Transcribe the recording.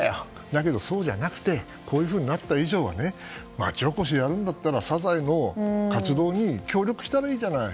だけどそうじゃなくてこういうふうになった以上は町おこしをやるんだったらサザエの活動に協力したらいいじゃない。